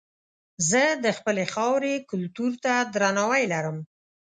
زه د خپلې خاورې کلتور ته درناوی لرم.